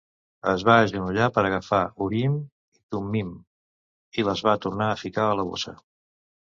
Es va agenollar per agafar Urim i Thummim i les va tornar a ficar a la bossa.